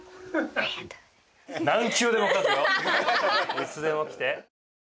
いつでも来て。